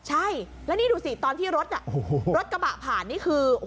ใช่แล้วนี่ดูสิตอนที่รถรถกระบะผ่านนี่คือ